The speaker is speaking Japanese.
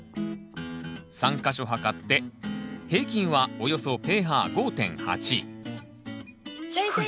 ３か所測って平均はおよそｐＨ５．８低い。